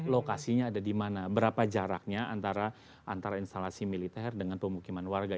lokasinya ada di mana berapa jaraknya antara instalasi militer dengan pemukiman warga